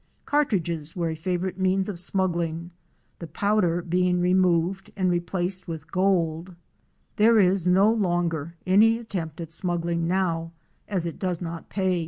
Cartridges were a favorite means of smuggling, the powder being removed and replaced with gold. There is no longer any attempt at smuggling now as it does not pay. WATER TRAIL FROM GEORGETOWN TO AREMU.